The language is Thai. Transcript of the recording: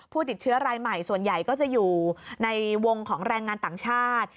ผู้ติดเชื้อรายใหม่ส่วนใหญ่ก็จะอยู่ในวงของแรงงานต่างชาติ